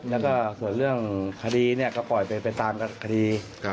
แล้วก็ส่วนเรื่องคดีก็ปล่อยไปตามคดี